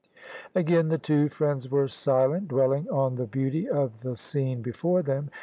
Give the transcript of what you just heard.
Again the two friends were silent, dwelling on the beauty of the scene before them.